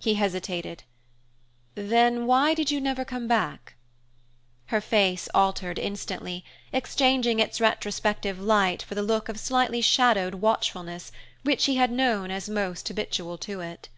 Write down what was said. He hesitated. "Then why did you never come back?" Her face altered instantly, exchanging its retrospective light for the look of slightly shadowed watchfulness which he had known as most habitual to it.